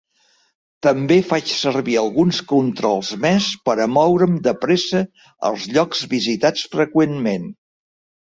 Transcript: També faig servir alguns controls més per a moure'm de pressa als llocs visitats freqüentment.